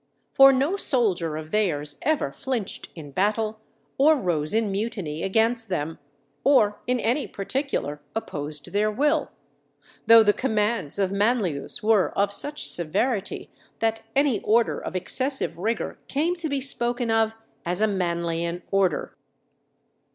For no soldier of theirs ever flinched in battle, or rose in mutiny against them, or in any particular opposed their will; though the commands of Manlius were of such severity that any order of excessive rigour came to be spoken of as a Manlian order.